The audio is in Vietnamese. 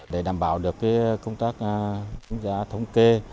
để đảm bảo được công tác giá thống kê